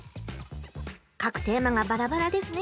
書くテーマがバラバラですね。